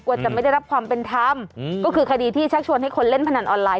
จะไม่ได้รับความเป็นธรรมก็คือคดีที่ชักชวนให้คนเล่นพนันออนไลน